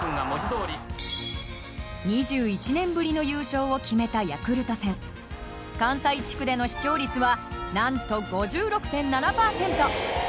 ２１年ぶりの優勝を決めたヤクルト戦。関西地区での視聴率はなんと５６．７パーセント。